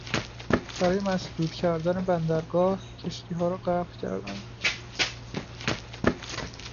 برای مسدود کردن بندر گاه کشتیها را غرق کردند.